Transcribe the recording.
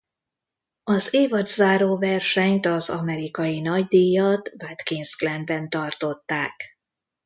Az évadzáró versenyt az amerikai nagydíjat Watkins Glenben tartották.